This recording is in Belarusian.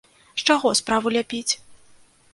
З чаго справу ляпіць?